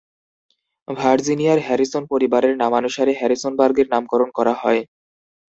ভার্জিনিয়ার Harrison পরিবারের নামানুসারে হ্যারিসনবার্গের নামকরণ করা হয়।